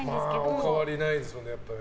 でもお変わりないですもんね。